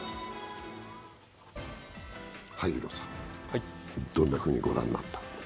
萩野さん、どんなふうに御覧になった？